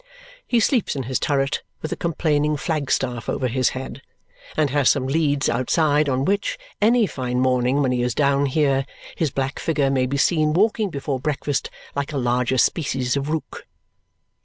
He sleeps in his turret with a complaining flag staff over his head, and has some leads outside on which, any fine morning when he is down here, his black figure may be seen walking before breakfast like a larger species of rook.